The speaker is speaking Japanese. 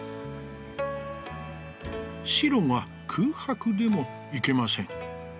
「白が空白でもいけません。